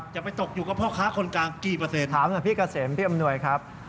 จะไปตกอยู่กับพ่อค้าคนกลางกี่เปอร์เซ็นถามหน่อยพี่เกษมพี่อำนวยครับ